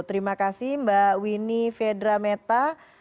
terima kasih mbak winnie vedrameta